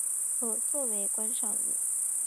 可做为观赏鱼。